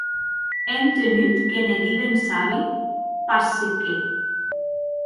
È entenut que ne didien sabi pas se qué.